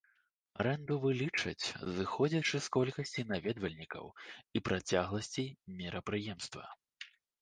Арэнду вылічаць, зыходзячы з колькасці наведвальнікаў і працягласці мерапрыемства.